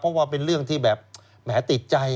เพราะว่าเป็นเรื่องที่แบบแหมติดใจ